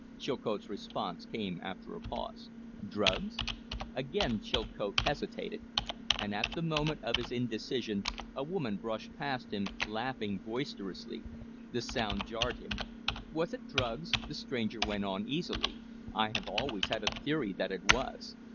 Chilcote's response came after a pause. "Drugs?" Again Chilcote hesitated. And at the moment of his indecision a woman brushed past him, laughing boisterously. The sound jarred him. "Was it drugs?" the stranger went on easily. "I have always had a theory that it was."